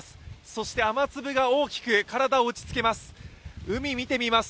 そして雨粒が大きく体を打ちつけます。